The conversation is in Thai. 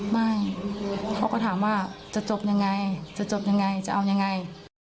ไม่เขาก็ถามว่าจะจบยังไงจะจบยังไงจะเอายังไง